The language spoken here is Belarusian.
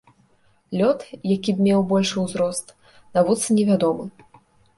Лёд, які б меў большы ўзрост, навуцы невядомы.